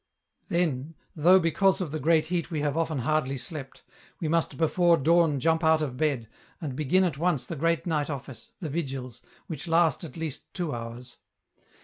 " Then, though liecause of the great heat we have often hardly slept, we must before dawn jump out of bed, and begin at once the great night office, the Vigils, which last at least two hours.